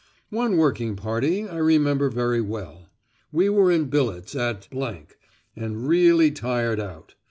One working party I remember very well. We were in billets at , and really tired out.